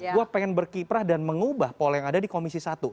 gue pengen berkiprah dan mengubah pola yang ada di komisi satu